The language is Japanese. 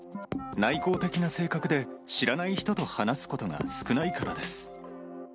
内向的な性格で知らない人と話すことが少ないからです。